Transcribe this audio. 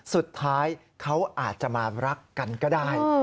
สุดท้ายเขาอาจจะมารักกันก็ได้